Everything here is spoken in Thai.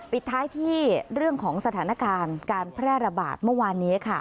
ปิดท้ายที่เรื่องของสถานการณ์การแพร่ระบาดเมื่อวานนี้ค่ะ